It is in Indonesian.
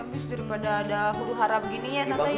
ambil sih daripada ada huru haram gini ya tante ya